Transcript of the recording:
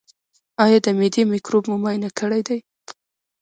ایا د معدې مکروب مو معاینه کړی دی؟